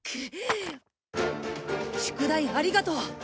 宿題ありがとう！